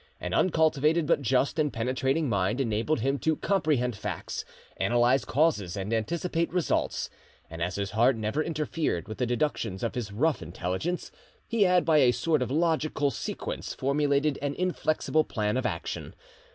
An uncultivated but just and penetrating mind enabled him to comprehend facts, analyse causes, and anticipate results; and as his heart never interfered with the deductions of his rough intelligence, he had by a sort of logical sequence formulated an inflexible plan of action.